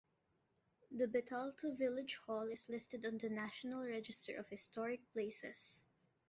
The Bethalto Village Hall is listed on the National Register of Historic Places.